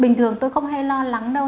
bình thường tôi không hay lo lắng đâu